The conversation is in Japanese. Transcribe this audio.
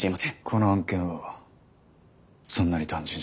この案件はそんなに単純じゃない。